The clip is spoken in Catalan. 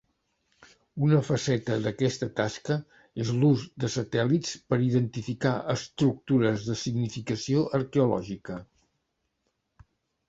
Una faceta d'aquesta tasca és l'ús de satèl·lits per identificar estructures de significació arqueològica.